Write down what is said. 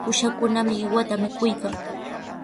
Uushakunami qiwata mikuykan.